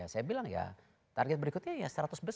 saya bilang ya target berikutnya ya seratus besar